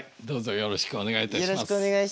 よろしくお願いします。